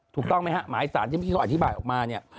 ถูกต้องไหมฮะหมายสารที่พี่เขาอธิบายออกมาเนี่ย